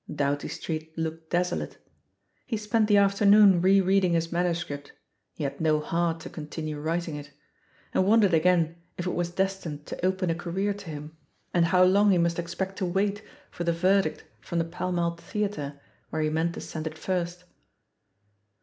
Doughty Street looked desolate. He spent the afternoon re reading his manuscript — he had no heart to continue writing it— and won dered again if it was destined to open a career to him, and how long he must expect to wait for the verdict from the Pall Mall Theatre, where he meant to send it first.